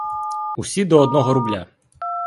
Усі до одного рубля!